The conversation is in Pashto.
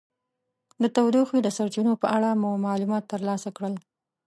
د تودوخې د سرچینو په اړه مو معلومات ترلاسه کړل.